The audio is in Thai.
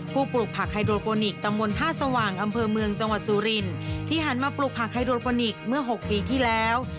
ปลูกผักไฮโดโปนิกตำบลท่าสว่างอำเภอเมืองจังหวัดสุรินที่หันมาปลูกผักไฮโดโปนิคเมื่อ๖ปีที่แล้ว